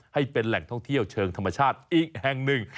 ให้เป็นแหล่งท่องเที่ยวเชิงธรรมชาติอีกแห่งหนึ่ง